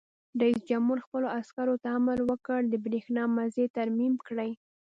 رئیس جمهور خپلو عسکرو ته امر وکړ؛ د برېښنا مزي ترمیم کړئ!